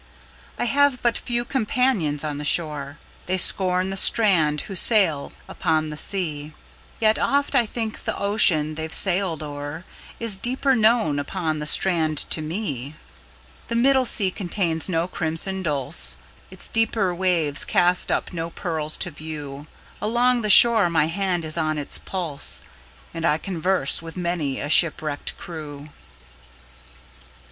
I have but few companions on the shore:They scorn the strand who sail upon the sea; Yet oft I think the ocean they've sailed o'erIs deeper known upon the strand to me. The middle sea contains no crimson dulse, Its deeper waves cast up no pearls to view; Along the shore my hand is on its pulse, And I converse with many a shipwrecked crew.